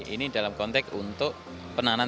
ini dalam konteks untuk penanganan